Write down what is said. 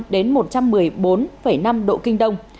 đến một trăm một mươi bốn năm độ kinh đông